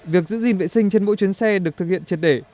việc giữ gìn vệ sinh trên mỗi chuyến xe được thực hiện triệt để